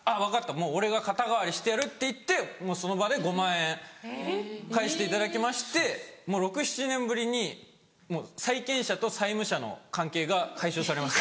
もう俺が肩代わりしてやるって言ってその場で５万円返していただきまして６７年ぶりに債権者と債務者の関係が解消されました。